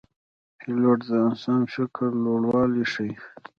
پیلوټ د انسان د فکر لوړوالی ښيي.